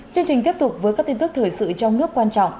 chương trình tiếp tục với các tin tức thời sự trong nước quan trọng